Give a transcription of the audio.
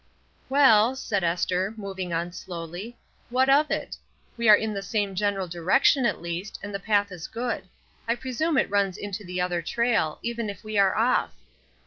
"Well," said Esther, moving on slowly, ON THE TRAIL 159 '*what of it? We are in the same general direction, at least, and the path is good. I presume it runs into the other trail, even if we are off."